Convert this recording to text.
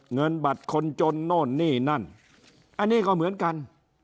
เงินบัตรคนจนโน่นนี่นั่นอันนี้ก็เหมือนกัน